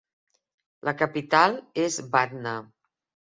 La capital és Batna.